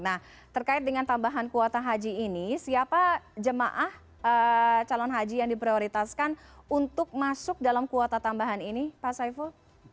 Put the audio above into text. nah terkait dengan tambahan kuota haji ini siapa jemaah calon haji yang diprioritaskan untuk masuk dalam kuota tambahan ini pak saiful